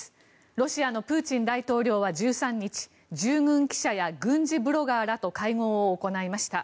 ロシアのプーチン大統領は１３日従軍記者や軍事ブロガーらと会合を行いました。